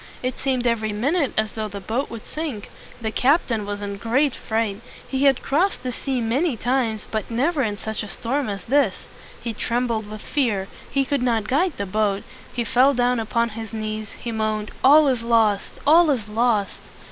It seemed every minute as though the boat would sink. The captain was in great fright. He had crossed the sea many times, but never in such a storm as this. He trembled with fear; he could not guide the boat; he fell down upon his knees; he moaned, "All is lost! all is lost!"